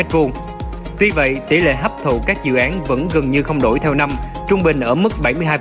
tuy vậy tỷ lệ hấp thụ các dự án vẫn gần như không đổi theo năm trung bình ở mức bảy mươi hai